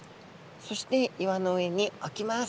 そして岩の上におきます。